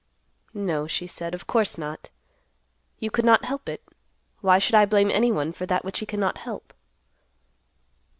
"No," she said; "of course not. You could not help it. Why should I blame anyone for that which he cannot help?"